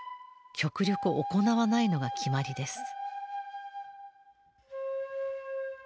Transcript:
極力行わないのが決まりです。